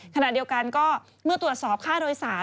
ขณะเดียวกันก็เมื่อตรวจสอบค่าโดยสาร